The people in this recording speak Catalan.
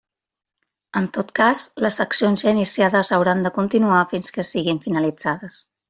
En tot cas, les accions ja iniciades hauran de continuar fins que siguen finalitzades.